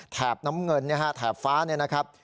น้ำเงินแถบฟ้าเนี่ยนะครับ